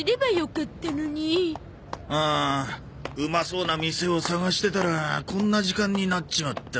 うんうまそうな店を探してたらこんな時間になっちまった。